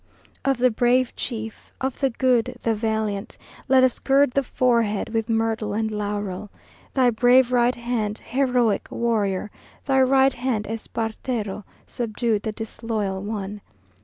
Of the brave chief, Of the good, the valiant, Let us gird the forehead With myrtle and laurel. Thy brave right hand, Heroic warrior, Thy right hand, Espartero, Subdued the disloyal one.